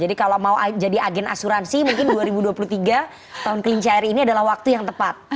jadi kalau mau jadi agen asuransi mungkin dua ribu dua puluh tiga tahun kelinci air ini adalah waktu yang tepat